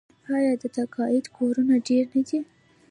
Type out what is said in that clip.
آیا د تقاعد کورونه ډیر نه دي؟